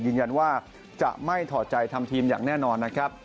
ยืนยันว่าจะไม่ถอดใจทำทีมอย่างแน่นอนนะครับ